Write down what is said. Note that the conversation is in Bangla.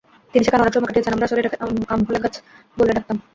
তিনি সেখানে অনেক সময় কাটিয়েছেন, আমরা আসলে এটাকে আমহলে গাছ বলে ডাকতাম।